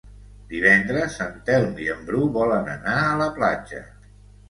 Divendres en Telm i en Bru volen anar a la platja.